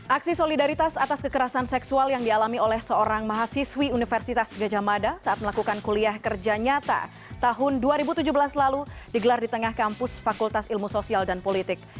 aksi solidaritas atas kekerasan seksual yang dialami oleh seorang mahasiswi universitas gajah mada saat melakukan kuliah kerja nyata tahun dua ribu tujuh belas lalu digelar di tengah kampus fakultas ilmu sosial dan politik